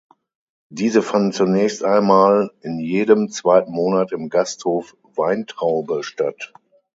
Diese fanden zunächst einmal in jedem zweiten Monat im Gasthof "Weintraube" statt.